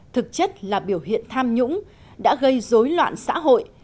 thực chất là biểu hiện tham nhũng đã gây dối loạn xã hội